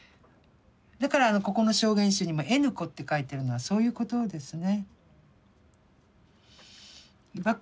だからここの証言集にもＮ子って書いてるのはそういうことですね。